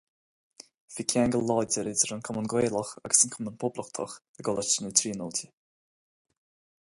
Bhí ceangal láidir idir an Cumann Gaelach agus an Cumann Poblachtach i gColáiste na Tríonóide.